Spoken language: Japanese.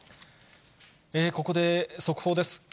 ここで速報です。